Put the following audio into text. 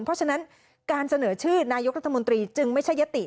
เพราะฉะนั้นการเสนอชื่อนายกรัฐมนตรีจึงไม่ใช่ยติ